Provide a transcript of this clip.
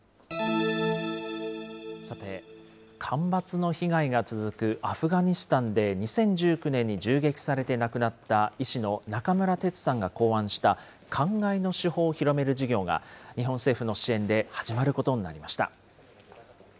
さて、干ばつの被害が続くアフガニスタンで２０１９年に銃撃されて亡くなった医師の中村哲さんが考案したかんがいの手法を広める事業が、日本政府の支援で始まることになりました。